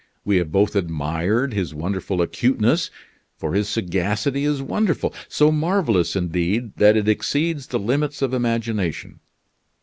We have both admired his wonderful acuteness for his sagacity is wonderful; so marvelous, indeed, that it exceeds the limits of imagination.